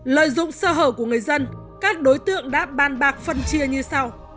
lợi dụng sơ hở của người dân các đối tượng đã bàn bạc phân chia như sau